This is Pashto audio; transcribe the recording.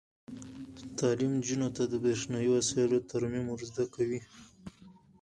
تعلیم نجونو ته د برښنايي وسایلو ترمیم ور زده کوي.